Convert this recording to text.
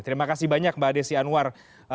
terima kasih banyak mbak desi anwar